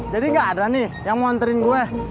jadi gak ada nih yang mau anterin gue